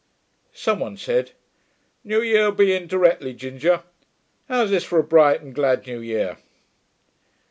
Some one said, 'New year'll be in directly, Ginger. How's this for a bright and glad new year?'